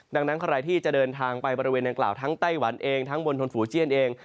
ดังนั้นใครที่จะเดินทางไปบริเวณดังกล่าวทั้งไต้หวันเองทั้งบนทนฝูเจียนเอง